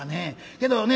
けどね